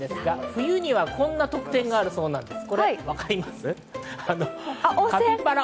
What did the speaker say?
冬にはこんな特典があるそうです。